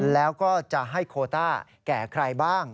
แล้วก็จะให้โคต้าแก่ใครบ้าง